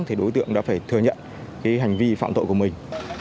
thì đối tượng đã phải thừa nhận cái hành vi phạm tội của mình